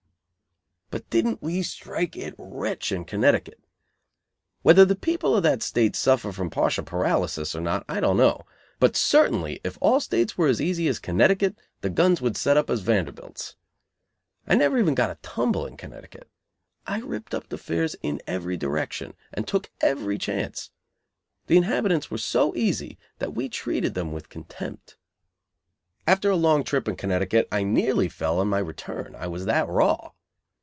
But didn't we strike it rich in Connecticut! Whether the people of that State suffer from partial paralysis or not I don't know, but certainly if all States were as easy as Connecticut the guns would set up as Vanderbilts. I never even got a tumble in Connecticut. I ripped up the fairs in every direction, and took every chance. The inhabitants were so easy that we treated them with contempt. After a long trip in Connecticut I nearly fell on my return, I was that raw.